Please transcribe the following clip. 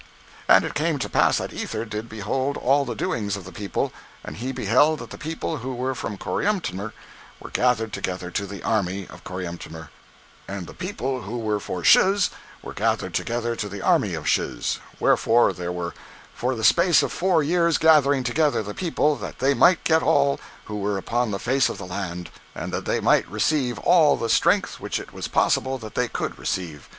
And it came to pass that Ether did behold all the doings of the people; and he beheld that the people who were for Coriantumr, were gathered together to the army of Coriantumr; and the people who were for Shiz, were gathered together to the army of Shiz; wherefore they were for the space of four years gathering together the people, that they might get all who were upon the face of the land, and that they might receive all the strength which it was possible that they could receive.